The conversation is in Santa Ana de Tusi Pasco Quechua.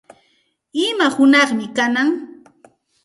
¿Ima hunaqmi kanan?